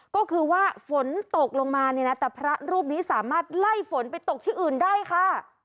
ก็คือว่าฝนตกลงมาเนี่ยนะแต่พระรูปนี้สามารถไล่ฝนไปตกที่อื่นได้ค่ะ